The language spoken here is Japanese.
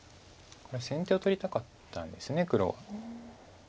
これは先手を取りたかったんです黒。